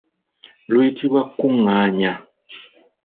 Luyitibwa Kungaanya.